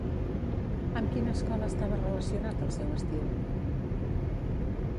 Amb quina escola estava relacionat el seu estil?